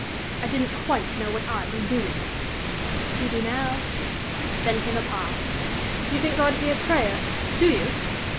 "I didn't quite know what I was doing." "You do now." Then came a pause. "You think God hears prayer do you?"